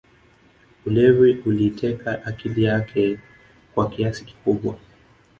Ulevi uliiteka akili yake kwa kiasi kikubwa